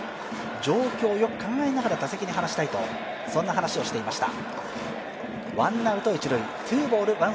状況をよく考えながら打席に話したいとそんな話をしていました。